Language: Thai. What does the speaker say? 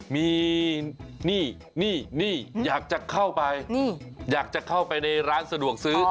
มีนี่นี่อยากจะเข้าไปอยากจะเข้าไปในร้านสะดวกซื้อ